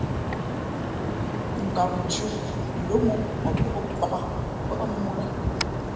Gam dhʉ̄ lóm ǒ mα pᾱʼ o pāk pάʼ mōō lά.